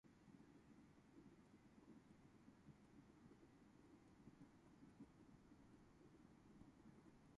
They anglicized their surnames and began to speak English as their primary language.